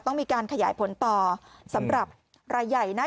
ต้องมีการขยายผลต่อสำหรับรายใหญ่นะ